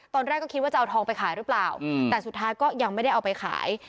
ตอนแรกก็คิดว่าจะเอาทองไปขายหรือเปล่าแต่สุดท้ายก็ยังไม่ได้เอาไปขาย